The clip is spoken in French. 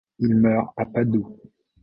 Il meurt à Padoue.